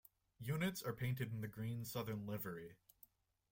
Units are painted in the green Southern livery.